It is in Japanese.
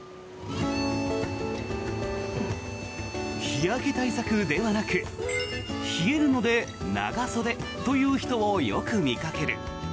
日焼け対策ではなく冷えるので長袖という人をよく見かける。